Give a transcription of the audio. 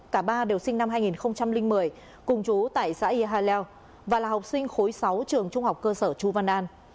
cả ba đều sinh năm hai nghìn một mươi cùng chú tại xã yà leo và là học sinh khối sáu trường trung học cơ sở chu văn an